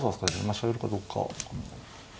飛車寄るかどうか。